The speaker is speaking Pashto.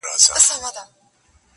دا مناففت پرېږده کنې نو دوږخي به سي,